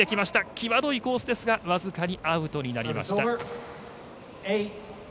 きわどいコースですが僅かにアウトになりました。